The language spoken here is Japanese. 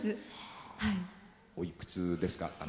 おいくつですか？